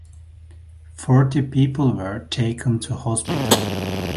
Forty people were taken to hospital.